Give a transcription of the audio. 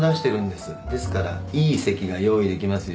ですからいい席が用意できますよ。